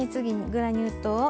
グラニュー糖は。